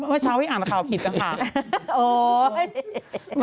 เมื่อเช้าไม่อ่านข่าวผิดนะคะ